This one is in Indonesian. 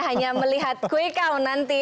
hanya melihat kue kau nanti